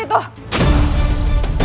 pertama kali aku menuntutmu